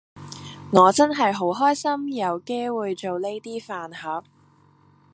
我真係好開心有機會做呢 d 飯盒